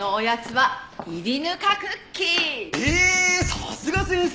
さすが先生